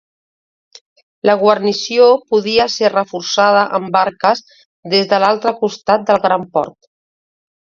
La guarnició podia ser reforçada amb barques des de l'altre costat del gran port.